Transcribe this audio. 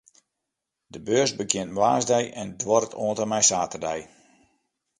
De beurs begjint woansdei en duorret oant en mei saterdei.